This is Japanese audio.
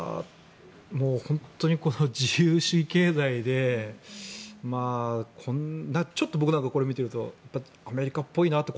本当にこの自由主義経済でこんな僕なんかこれを見ているとアメリカっぽいなと。